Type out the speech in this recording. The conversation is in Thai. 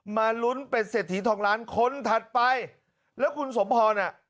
มาลุ้นเป็นเศรษฐีทองล้านคนถัดไปแล้วคุณสมพรน่ะ